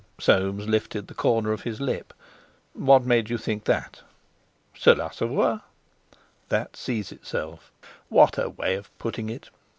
Soames lifted the corner of his lip. "What made you think that?" "Cela se voit." 'That sees itself!' What a way of putting it!